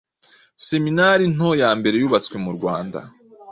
Seminari nto yambere yubatswe mu Rwanda